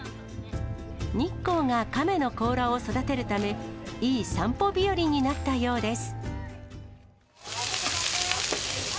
日光が亀の甲羅を育てるため、いい散歩日和になったようです。